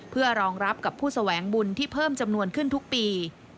เพื่อรองรับกับผู้แสวงบุญที่เพิ่มจำนวนขึ้นทุกปี